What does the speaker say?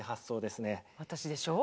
私でしょう。